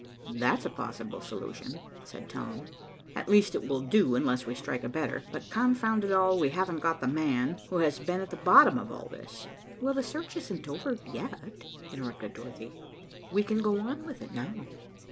"That's a possible solution," said Tom. "At least it will do, unless we strike a better. But, confound it all, we haven't got 'the man' who has been at the bottom of all this." "Well, the search isn't over yet," interrupted Dorothy. "We can go on with it, now."